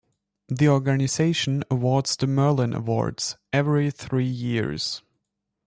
The organization awards the Merlin Awards, every three years.